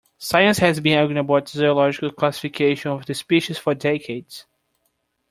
Science has been arguing about the zoological classification of the species for decades.